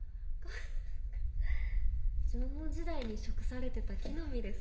縄文時代に食されてた木の実です。